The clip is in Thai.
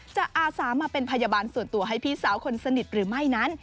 อาสามาเป็นพยาบาลส่วนตัวให้พี่สาวคนสนิทหรือไม่นั้น